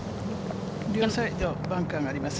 両サイド、バンカーがあります。